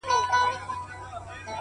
نسه ـ نسه يو داسې بله هم سته”